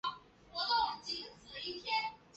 拟阿勇蛞蝓科。